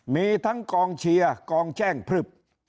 มีทั้งกองเชียร์กองแช่งพลึบ